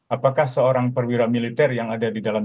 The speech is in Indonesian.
apakah seorang perwira militer yang ada di dalam